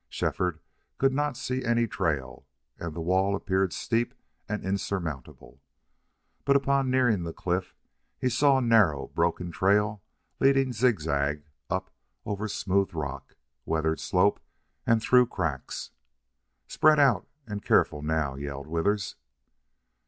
Shefford could not see any trail, and the wall appeared steep and insurmountable. But upon nearing the cliff he saw a narrow broken trail leading zigzag up over smooth rock, weathered slope, and through cracks. "Spread out, and careful now!" yelled Withers.